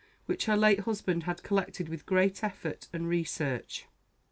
which her late husband had collected with great effort and research.